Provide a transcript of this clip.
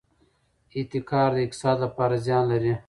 احتکار د اقتصاد لپاره زیان لري.